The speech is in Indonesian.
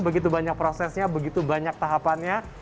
begitu banyak prosesnya begitu banyak tahapannya